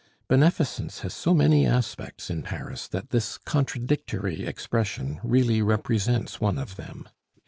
Beneficence has so many aspects in Paris that this contradictory expression really represents one of them.